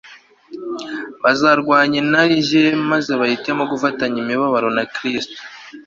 bazarwanya inarijye maze bahitemo gufatanya imibabaro na Kristo